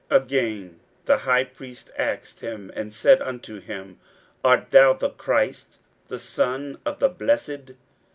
Again the high priest asked him, and said unto him, Art thou the Christ, the Son of the Blessed?